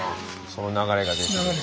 その流れができる。